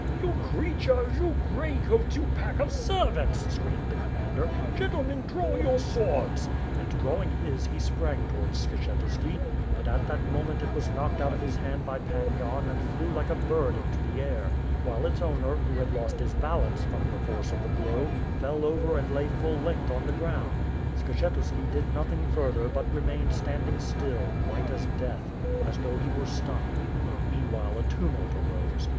"You creatures, you grey coats, you pack of servants, screamed the command er. "Gentlemen, draw your swords," and, drawing his, he sprang towards Skshetuski. But at that moment it was knoxiked out of his hand by Pan Yan and flew like a bird intx) the air, while its owner, who had lost his bal ance, from the force of the blow, fell over and lay full length on the ground. Skshetuski did nothing further but re mained standing still, white as death, as though he were stunned. Meanwhile, a tumult arose.